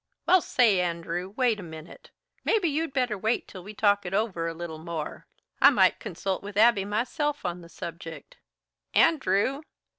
"Well say, Andrew, wait a minute. Maybe you'd better wait till we talk it over a little more. I might consult with Abby, myself, on the subject An ndrew!